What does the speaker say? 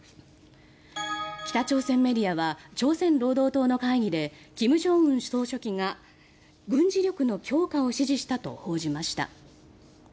北朝鮮メディアは朝鮮労働党の会議で金正恩総書記が軍事力の強化を指示したと報じました。